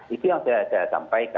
itu yang saya sampaikan